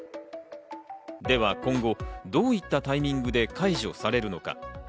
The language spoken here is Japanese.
では今後、どういったタイミングで解除されるのか？